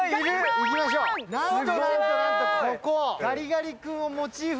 行きましょうなんとなんとなんとここすごい！